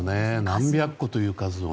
何百個という数の。